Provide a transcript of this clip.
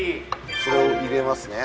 これを入れますね。